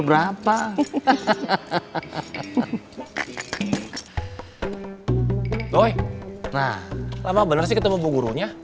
berapa doi nah lama bener sih ketemu bu gurunya